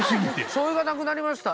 「しょうゆがなくなりました。